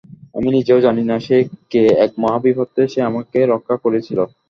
আমি নিজেও জানি না, সে কে এক মহাবিপদে সে আমাকে রক্ষা করেছিল।